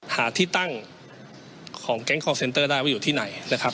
หาที่ตั้งของแก๊งคอลเซนเตอร์ได้ว่าอยู่ที่ไหนนะครับ